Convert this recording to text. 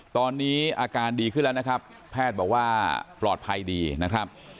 ตอนนี้อาการดีขึ้นแล้วนะครับแพทย์บอกว่าปลอดภัยดีนะครับ